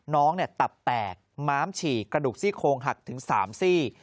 น้องตับแตกม้ามฉี่กระดูกซี่โคงหักถึงสามซี่